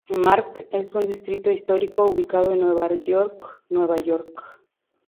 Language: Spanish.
Mark es un distrito histórico ubicado en Nueva York, Nueva York.